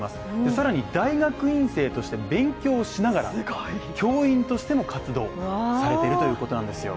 さらに、大学院生として勉強しながら教員としても活動されているということなんですよ、